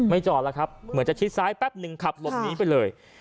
จอดแล้วครับเหมือนจะชิดซ้ายแป๊บนึงขับหลบหนีไปเลย